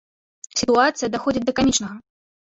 Сітуацыя даходзіць да камічнага.